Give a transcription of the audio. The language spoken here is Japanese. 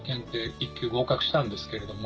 １級合格したんですけれども。